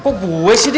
kok gue sih dia